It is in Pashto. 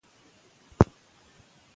موږ کولای شو بدلون راوړو.